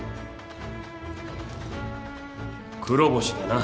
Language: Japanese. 「黒星」だな。